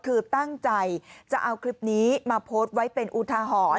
คือตั้งใจจะเอาคลิปนี้มาโพสต์ไว้เป็นอุทาหรณ์